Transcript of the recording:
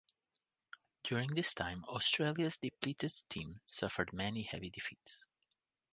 During this time, Australia's depleted team suffered many heavy defeats.